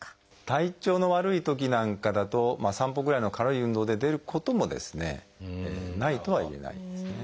体調の悪いときなんかだと散歩ぐらいの軽い運動で出ることもないとは言えないんですね。